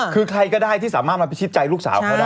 คือใครก็ได้ที่สามารถมาพิชิตใจลูกสาวเขาได้